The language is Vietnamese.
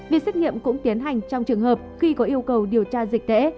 việc xét nghiệm cũng tiến hành trong trường hợp khi có yêu cầu điều tra dịch tễ